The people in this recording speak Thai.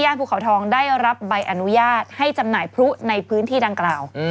ภูเขาทองได้รับใบอนุญาตให้จำหน่ายพลุในพื้นที่ดังกล่าว